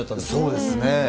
そうですね。